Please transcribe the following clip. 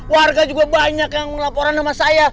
warga juga banyak yang laporan sama saya